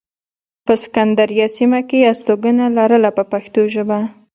په سکندریه سیمه کې یې استوګنه لرله په پښتو ژبه.